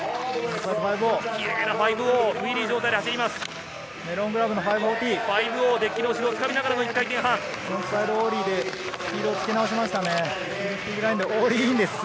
キレイな５−０、ウィリー状態で走ります。